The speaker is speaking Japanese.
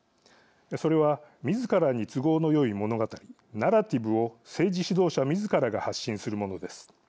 それは、みずからに都合のよい物語＝ナラティブを政治指導者みずからが発信するものです。